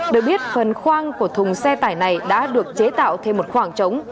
được biết phần khoang của thùng xe tải này đã được chế tạo thêm một khoảng trống